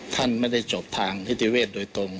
ท่านไม่ได้จบทางนิติเวศโดยตรง